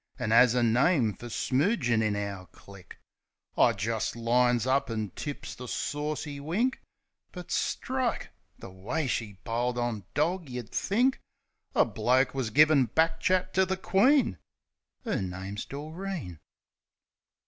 An' 'as a name for smoogin' in our click! I just lines up an' tips the saucy wink. But strike! The way she piled on dawg! Yer'd think A bloke was givin' back chat to the Queen. ... 'Er name's Doreen.